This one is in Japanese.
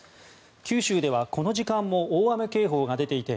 九州ではこの時間も大雨警報が出ていて